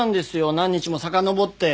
何日もさかのぼって。